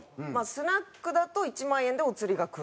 スナックだと１万円でお釣りがくる。